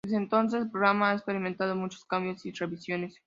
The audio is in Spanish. Desde entonces, el programa ha experimentado muchos cambios y revisiones.